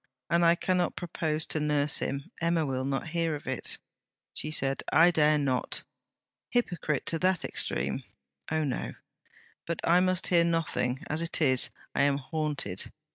'And I cannot propose to nurse him Emma will not hear of it,' she said. 'I dare not. Hypocrite to that extreme? Oh, no! But I must hear nothing. As it is, I am haunted.